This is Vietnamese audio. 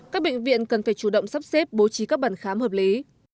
các bệnh viện cần phải chủ động sắp xếp bố trí các bản khám hợp lý